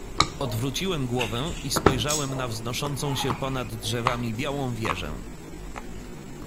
"Odwróciłem głowę i spojrzałem na wznoszącą się ponad drzewami białą wieżę."